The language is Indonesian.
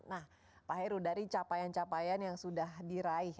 nah pak heru dari capaian capaian yang sudah diraih